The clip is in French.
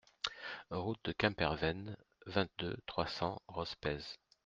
Route de Quemperven, vingt-deux, trois cents Rospez